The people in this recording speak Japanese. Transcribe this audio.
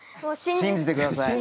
信じてください。